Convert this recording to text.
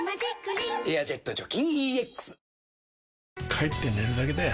帰って寝るだけだよ